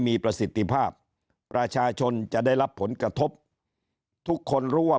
มีประสิทธิภาพประชาชนจะได้รับผลกระทบทุกคนรู้ว่า